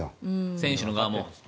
選手の側も。